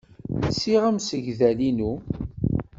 Lsiɣ amsegdal-inu.